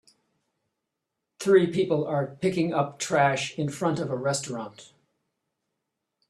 three people are picking up trash in front of a restaurant